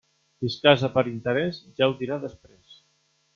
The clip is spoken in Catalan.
Qui es casa per interés ja ho dirà després.